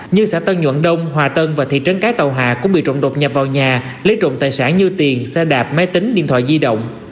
như xã tân nhuận đông hòa tân và thị trấn cái tàu hà cũng bị trộm đột nhập vào nhà lấy trộm tài sản như tiền xe đạp máy tính điện thoại di động